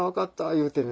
言うてね。